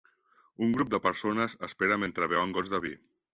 Un grup de persones espera mentre beuen gots de vi.